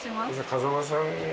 風間さん